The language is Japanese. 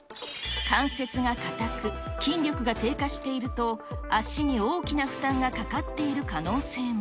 関節が硬く筋力が低下していると、足に大きな負担がかかっている可能性も。